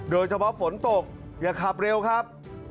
โดยเฉพาะฝนตกอย่าขับเร็วครับ